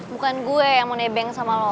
bukan gue yang mau nebeng sama lo